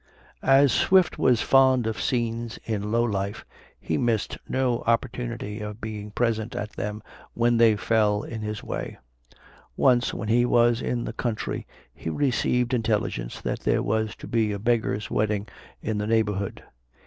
As Swift was fond of scenes in low life, he missed no opportunity of being present at them when they fell in his way. Once when he was in the country, he received intelligence that there was to be a beggar's wedding in the neighborhood.